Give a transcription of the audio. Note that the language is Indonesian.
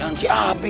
tahan tahan si abi